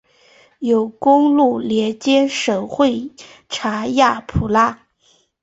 有公路连接省会查亚普拉。